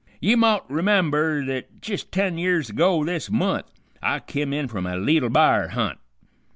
Ye mowt remember th't jist ten years ago this month I kim in from a leetle b'ar hunt.